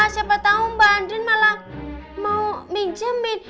siapa tau mbak andin malah mau minjemin